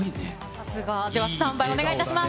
さすが。さあ、ではスタンバイをお願いします。